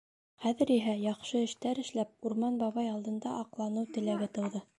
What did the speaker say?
Хәҙер иһә, яҡшы эштәр эшләп, Урман бабай алдында аҡланыу теләге тыуҙы.